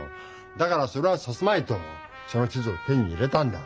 だからそれはさせまいとその地図を手に入れたんだ。